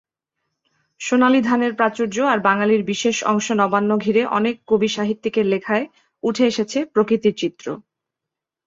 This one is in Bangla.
সোনালি ধানের প্রাচুর্য আর বাঙালির বিশেষ অংশ নবান্ন ঘিরে অনেক কবি-সাহিত্যিকের লেখায় উঠে এসেছে প্রকৃতির চিত্র।